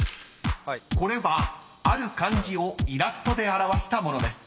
［これはある漢字をイラストで表したものです］